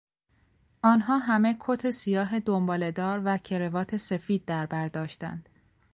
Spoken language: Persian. آنها همه کت سیاه دنباله دار و کروات سفید در بر داشتند.